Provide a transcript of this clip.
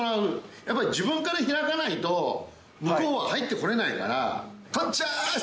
やっぱり自分から開かないと、向こうは入ってこれないから、こんちわーっす！